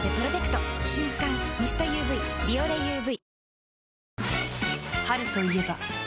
瞬感ミストＵＶ「ビオレＵＶ」